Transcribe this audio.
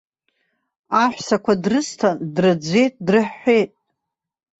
Аҳәсақәа дрысҭан, дрыӡәӡәеит, дрыҳәҳәеит.